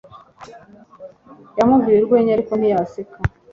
yamubwiye urwenya, ariko ntiyaseka